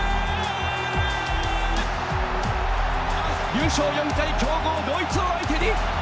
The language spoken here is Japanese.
優勝４回強豪ドイツを相手に日本２対１。